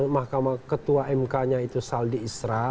mahkamah ketua mk nya itu saldi isra